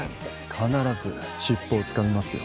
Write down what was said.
必ず尻尾をつかみますよ。